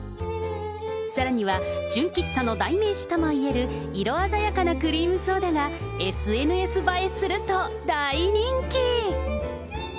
さらには、純喫茶の代名詞ともいえる色鮮やかなクリームソーダがＳＮＳ映えすると大人気。